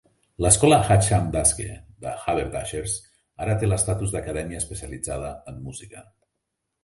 L'escola Hatcham d'Aske de Haberdashers ara té l'estatus d'acadèmia especialitzada en música.